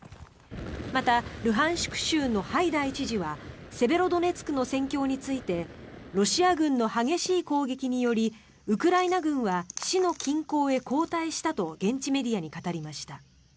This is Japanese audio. また、ルハンシク州のハイダイ知事はセベロドネツクの戦況についてロシア軍の激しい攻撃によりウクライナ軍は市の近郊へ後退したと現地メディアに語りました。